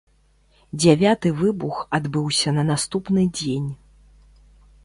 Дзявяты выбух адбыўся на наступны дзень.